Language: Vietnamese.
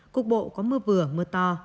cục bộ có mưa vừa mưa to